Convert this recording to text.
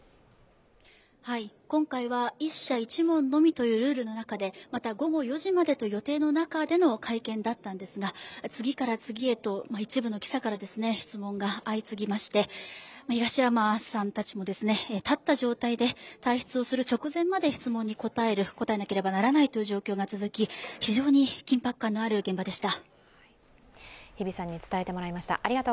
今回は１社１問のみというルールの中でまた午後４時までという予定の中での会見だったんですが次から次へと一部の記者から質問が相次ぎまして、東山さんたちも立った状態で退室する直前まで質問に答えなければならないという状況が続き非常に緊迫感のある現場でした。